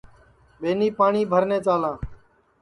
ٻینی پاٹؔی بھرنے چالاں